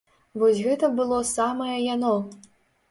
Вось гэта было самае яно!